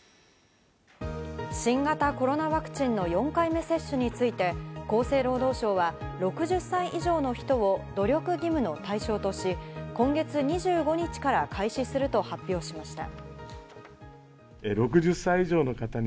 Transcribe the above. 新型コロナワクチンの４回目接種について、厚生労働省は６０歳以上の人を努力義務の対象とし、今月２５日から開始すると発表しました。